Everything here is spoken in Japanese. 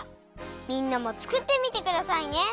みんなもつくってみてくださいね！